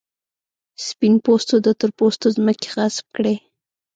سپین پوستو د تور پوستو ځمکې غصب کړې.